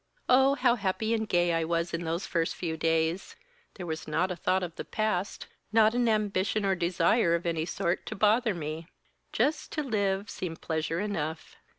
"Oh, how happy and gay I was in those first few days! There was not a thought of the past, not an ambition or desire of any sort to bother me. Just to live seemed pleasure enough.